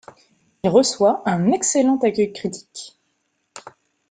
Il reçoit un excellent accueil critique.